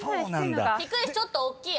低いしちょっとおっきい。